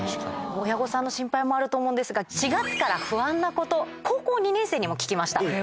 親御さんの心配もあると思うんですが４月から不安なこと高校２年生にも聞きました。